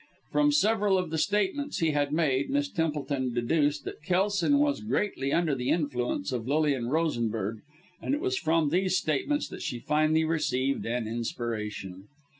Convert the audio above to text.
From several of the statements he had made, Miss Templeton deduced that Kelson was greatly under the influence of Lilian Rosenberg and it was from these statements that she finally received an inspiration.